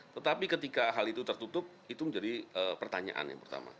tetapi ketika hal itu tertutup itu menjadi pertanyaan yang pertama